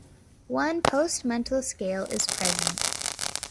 One postmental scale is present.